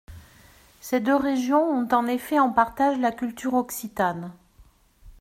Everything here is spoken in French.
Ces deux régions ont en effet en partage la culture occitane.